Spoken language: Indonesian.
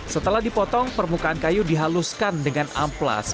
setelah dipotong permukaan kayu dihaluskan dengan amplas